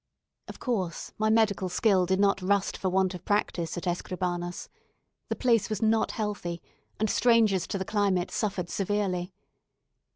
Of course, my medical skill did not rust for want of practice at Escribanos. The place was not healthy, and strangers to the climate suffered severely.